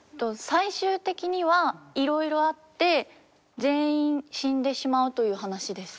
最終的にはいろいろあって全員死んでしまうという話です。